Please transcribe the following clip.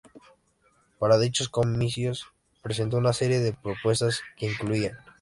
Para dichos comicios presentó una serie de propuestas que incluían.